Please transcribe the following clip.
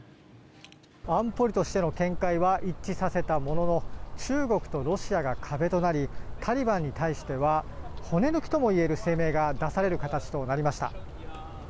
安保理としての見解は一致させたものの中国とロシアが壁となりタリバンに対しては骨抜きともいえる声明が出される形となりました。